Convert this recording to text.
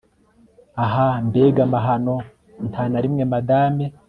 Ah mbega amahano nta na rimwe Madame